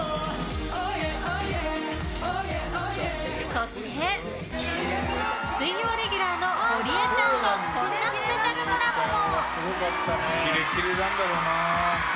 そして、水曜レギュラーのゴリエちゃんとこんなスペシャルコラボも。